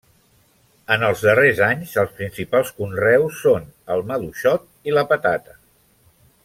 En els darrers anys els principals conreus són: el maduixot i la patata.